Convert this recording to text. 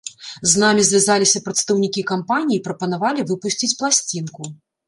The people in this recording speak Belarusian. З намі звязаліся прадстаўнікі кампаніі і прапанавалі выпусціць пласцінку.